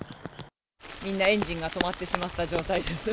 みんなエンジンが止まってしまった状態です。